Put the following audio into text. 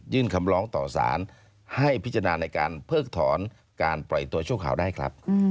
อย่างที่เราทราบ